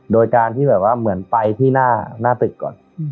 โดยการที่แบบว่าเหมือนไปที่หน้าตึกก่อน